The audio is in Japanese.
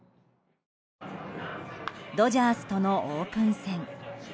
ドジャースとのオープン戦。